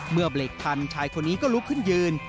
เบรกทันชายคนนี้ก็ลุกขึ้นยืน